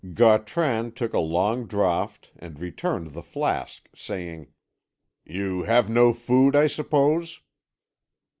Gautran took a long draught and returned the flask, saying, "You have no food, I suppose?"